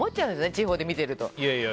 地方で見てるとね。